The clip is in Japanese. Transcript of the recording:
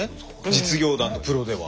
実業団とプロでは。